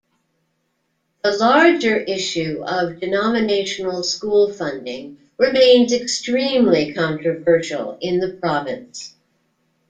The larger issue of denominational school funding remains extremely controversial in the province.